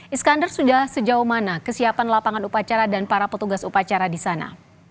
iskandar sudah sejauh mana kesiapan lapangan upacara dan para petugas upacara di sana